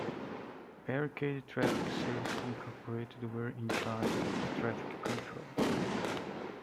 Barricade Traffic Services Incorporated were in charge of traffic control.